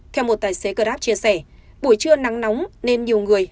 theo một tài xế grab chia sẻ buổi trưa nắng nóng nên nhiều người